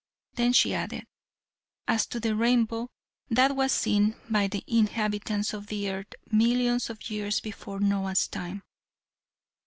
Then she added: "As to the rainbow, that was seen by the inhabitants of the earth millions of years before Noah's time."